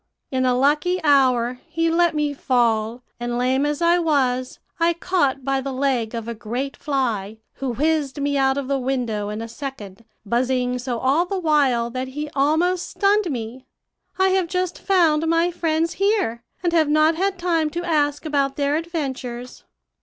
In a lucky hour he let me fall, and, lame as I was, I caught by the leg of a great fly, who whizzed me out of the window in a second, buzzing so all the while that he almost stunned me. I have just found my friends here, and have not had time to ask about their adventures.'